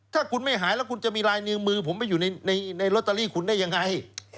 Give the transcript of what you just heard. ถ้าคุณไม่หายแล้วคุณจะมีลายนิ้วมือผมไปอยู่ในลอตเตอรี่คุณได้ยังไง